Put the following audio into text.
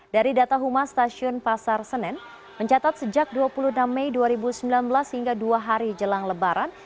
dari data humas stasiun pasar senen mencatat sejak dua puluh enam mei dua ribu sembilan belas hingga dua hari jelang lebaran